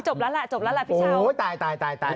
จบแล้วล่ะจบแล้วล่ะพี่เช้าโอ้โหตายตายตายตาย